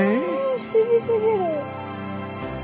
不思議すぎる。